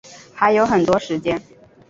还有很多时间